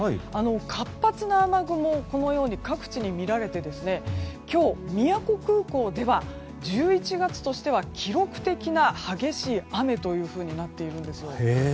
活発な雨雲が各地に見られて今日、宮古空港では１１月としては記録的な激しい雨というふうになっているんですよ。